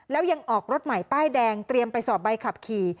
แล้วยังออกรถใหม่ป้ายแดงเตรียมไปสอบใบขับขี่